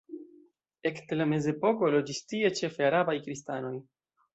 Ekde la mezepoko loĝis tie ĉefe arabaj kristanoj.